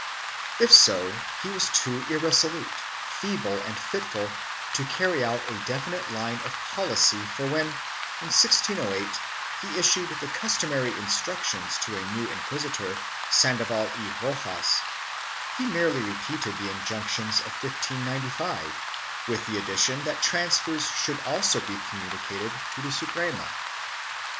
2 If so, he was too irresolute, feeble, and fitful to carry out a definite line of policy for when, in 1608, he issued the customary instructions to a new inquisitor, Sandoval y Rojas, he merely repeated the injunctions of 1595, with the addition that transfers should also be communicated to the Suprema.